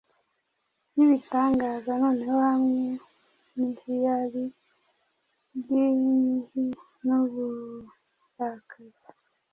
Nibitangaza, noneho hamwe nihyari ryinhi nuburakari